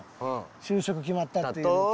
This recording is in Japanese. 就職決まったっていうのと。